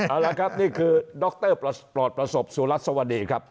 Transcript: เอาล่ะครับนี่คือด็อกเตอร์ประสบสุรัสตร์สวดีครับ